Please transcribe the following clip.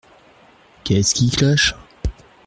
Qu’est-ce qui cloche ?